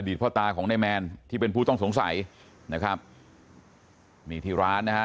พ่อตาของนายแมนที่เป็นผู้ต้องสงสัยนะครับนี่ที่ร้านนะฮะ